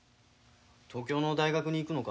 東京の大学に行くのか？